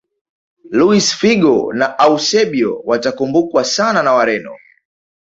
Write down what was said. luis figo na eusebio watakumbukwa sana na wareno